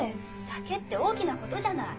「だけ」って大きな事じゃない！